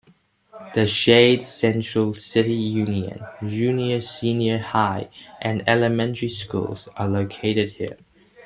The Shade-Central City Union, Junior-Senior High, and elementary schools are located here.